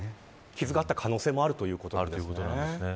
傷があった可能性もあるということなんですね。